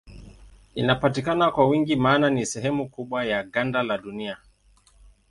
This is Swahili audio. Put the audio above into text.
Inapatikana kwa wingi maana ni sehemu kubwa ya ganda la Dunia.